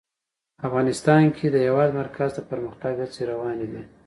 افغانستان کې د د هېواد مرکز د پرمختګ هڅې روانې دي.